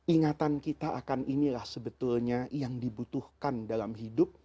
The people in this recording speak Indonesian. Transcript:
ingatan kita akan inilah sebetulnya yang dibutuhkan dalam hidup